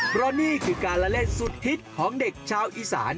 เพราะนี่คือการละเล่นสุดฮิตของเด็กชาวอีสาน